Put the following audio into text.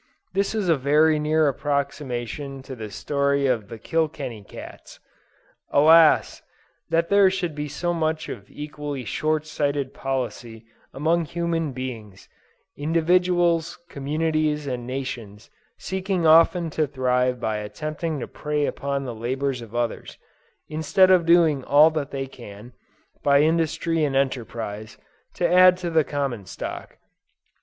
This is a very near approximation to the story of the Kilkenny cats. Alas! that there should be so much of equally short sighted policy among human beings; individuals, communities and nations seeking often to thrive by attempting to prey upon the labors of others, instead of doing all that they can, by industry and enterprise, to add to the common stock.